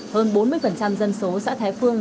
hơn bốn mươi dân số xã thái phương